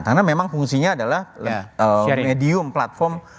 karena memang fungsinya adalah medium platform